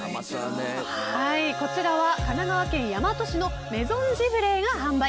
こちらは神奈川県大和市のメゾンジブレーが販売。